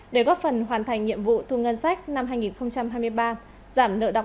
để góp phần hoàn thành nhiệm vụ thu ngân sách năm hai nghìn hai mươi ba